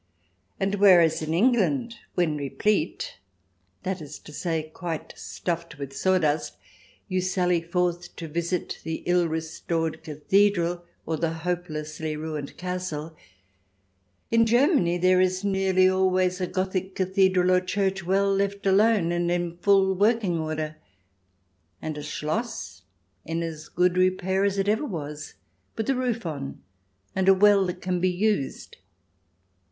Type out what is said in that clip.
And whereas in England, when replete — that is to say, quite stuffed with sawdust — you sally forth to visit the ill restored cathedral, or the hopelessly ruined castle, in Germany there is nearly always a Gothic cathedral or church well left alone and in full working order, and a Schloss in as good repair as it ever was, with a roof on, and a well that can be used.